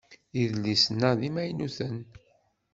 Idlisen-a d imaynuten.